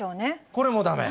これもだめ？